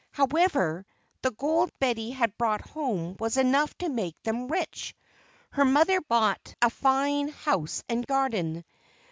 However, the gold Betty had brought home was enough to make them rich. Her mother bought a fine house and garden.